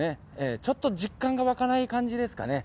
ちょっと実感が湧かない感じですかね。